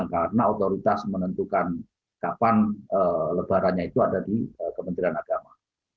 karena otoritas menentukan kapan lebarannya itu ada di kementerian agama